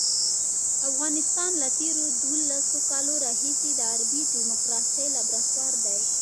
افغانستان له تېرو دولسو کالو راهیسې د غربي ډیموکراسۍ لابراتوار دی.